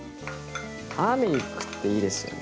ターメリックっていいですよね。